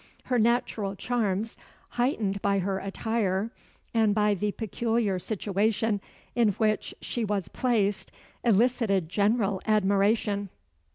Her natural charms, heightened by her attire, and by the peculiar situation in which she was placed, elicited general admiration.